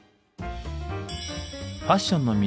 ファッションの都